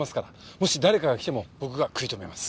もし誰かが来ても僕が食い止めます。